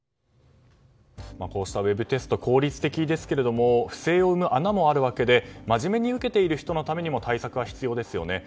こうしたウェブテスト効率的ですが不正を生む穴もあるわけで真面目に受けている人のためにも対策は必要ですよね。